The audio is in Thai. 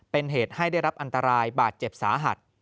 เป็นเหตุให้ได้รับอันตรายบาดเจ็บสาหัส